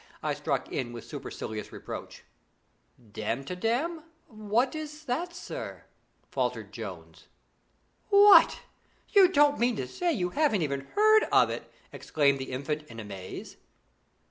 I struck in with supercilious reproach. 'Damtidam! What is that, sir?' faltered Jones. 'What! you don't mean to say you haven't even heard of it?' cried the Infant in amaze.